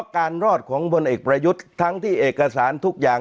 การรอดของพลเอกประยุทธ์ทั้งที่เอกสารทุกอย่าง